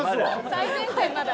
最前線まだ。